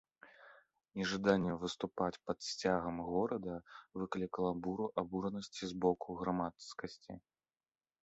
Нежаданне выступаць пад сцягам горада выклікала буру абуранасці з боку грамадскасці.